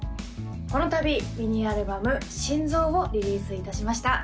このたびミニアルバム「深臓」をリリースいたしました